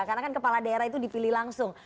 karena kan kepala daerah itu dipilih langsung